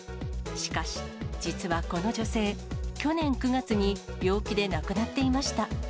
しかし、実はこの女性、去年９月に病気で亡くなっていました。